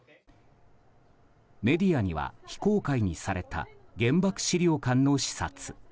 メディアには非公開にされた原爆資料館の視察。